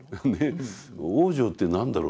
往生って何だろうと。